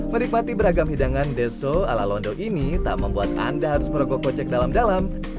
menikmati beragam hidangan deso ala londo ini tak membuat anda harus merogoh kocek dalam dalam